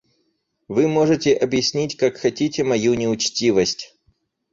Вы можете объяснить как хотите мою неучтивость.